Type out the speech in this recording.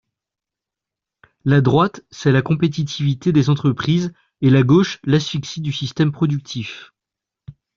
La droite, c’est la compétitivité des entreprises et la gauche, l’asphyxie du système productif.